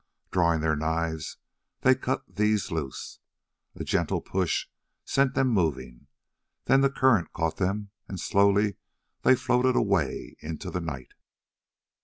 Drawing their knives they cut these loose. A gentle push set them moving, then the current caught them, and slowly they floated away into the night.